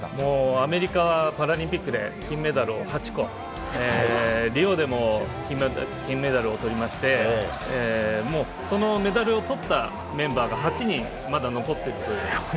アメリカはパラリンピックで金メダルを８個、リオでも金メダルを取りまして、そのメダルを取ったメンバーが８人まだ残っている。